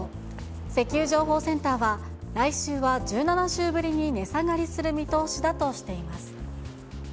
石油情報センターは、来週は１７週ぶりに値下がりする見通しだとしています。